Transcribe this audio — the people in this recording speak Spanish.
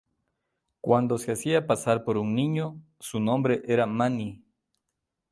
Cuando se hacía pasar por un niño, su nombre era Mani.